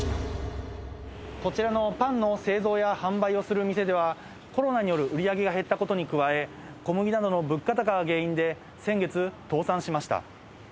こちらのパンの製造や販売をする店では、コロナによる売り上げが減ったことに加え、小麦などの物価高が原因で、先月、倒産しました。